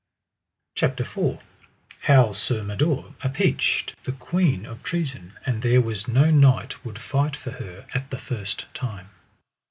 CHAPTER IV. How Sir Mador appeached the queen of treason, and there was no knight would fight for her at the first time.